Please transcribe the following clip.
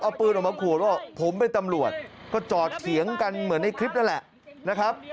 เอาปืนออกมาขู่ว่าผมเป็นตำรวจก็จอดเถียงกันเหมือนในคลิปนั่นแหละนะครับ